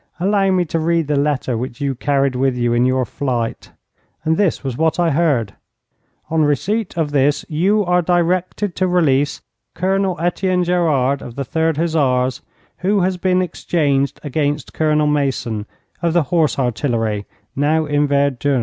Allow me to read the letter which you carried with you in your flight.' And this was what I heard: 'On receipt of this you are directed to release Colonel Etienne Gerard, of the 3rd Hussars, who has been exchanged against Colonel Mason, of the Horse Artillery, now in Verdun.'